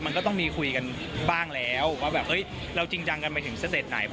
มันก็ต้องมีคุยกันบ้างแล้วว่าแบบเฮ้ยเราจริงจังกันไปถึงสเต็ปไหน